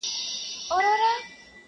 موږ يو وبل ته ور روان پر لاري پاته سولو ,